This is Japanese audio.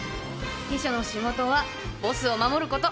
秘書の仕事はボスを守ること。